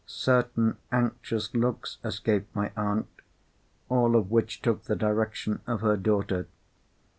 Certain anxious looks escaped my aunt, all of which took the direction of her daughter.